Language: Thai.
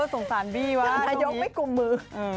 เอ้อสงสารบี้ว่ะอย่างนายกไม่กุมมือ